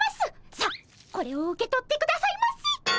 さあこれを受け取ってくださいませ。